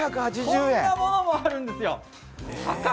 こんなものもあるんですよ、破格！